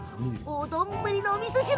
お丼のおみそ汁。